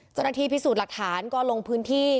เจ้าหน้าที่พิสูจน์หลักฐานก็ลงพื้นที่